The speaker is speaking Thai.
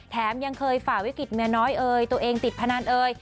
ยังเคยฝ่าวิกฤตเมียน้อยเอ่ยตัวเองติดพนันเอ่ย